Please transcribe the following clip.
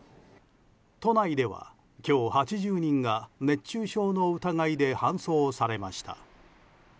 都内では今日８０人が熱中症の疑いで搬送されました。